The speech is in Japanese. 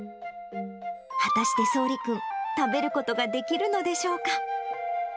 果たしてそうり君、食べることができるのでしょうか。